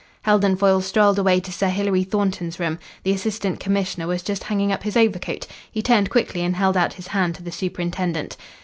Heldon Foyle strolled away to Sir Hilary Thornton's room. The Assistant Commissioner was just hanging up his overcoat. He turned quickly and held out his hand to the superintendent.